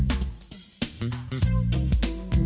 ก็จะเป็นตอนนี้